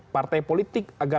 partai politik agar